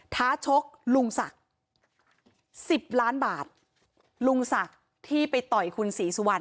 ท้าชกลุงศักดิ์สิบล้านบาทลุงศักดิ์ที่ไปต่อยคุณศรีสุวรรณ